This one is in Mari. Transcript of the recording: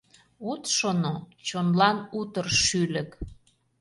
От шоно — чонлан утыр шӱлык